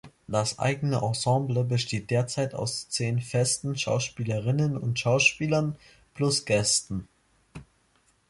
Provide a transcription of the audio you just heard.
Das eigene Ensemble besteht derzeit aus zehn festen Schauspielerinnen und Schauspielern plus Gästen.